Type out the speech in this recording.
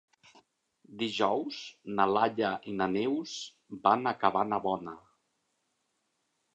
Dijous na Laia i na Neus van a Cabanabona.